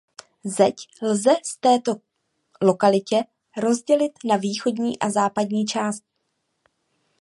Zeď lze v této lokalitě rozdělit na východní a západní část.